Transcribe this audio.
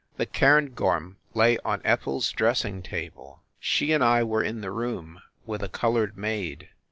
The cairngorm lay on Ethel s dressing table. She and I were in the room, with a colored maid.